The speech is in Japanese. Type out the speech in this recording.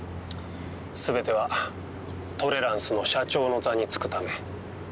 全てはトレランスの社長の座に就くため。